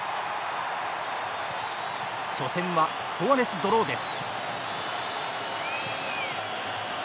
初戦は、スコアレスドローです。